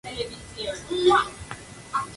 Entrenador: Tino Luis Cabrera.